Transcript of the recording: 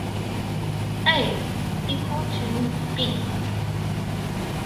"a" = "b".